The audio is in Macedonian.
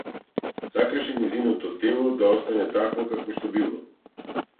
Сакаше нејзиното тело да остане такво какво што било.